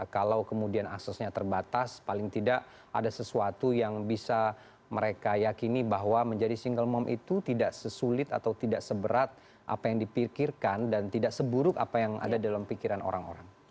kalau kemudian aksesnya terbatas paling tidak ada sesuatu yang bisa mereka yakini bahwa menjadi single mom itu tidak sesulit atau tidak seberat apa yang dipikirkan dan tidak seburuk apa yang ada dalam pikiran orang orang